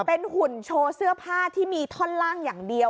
เป็นหุ่นโชว์เสื้อผ้าที่มีท่อนล่างอย่างเดียว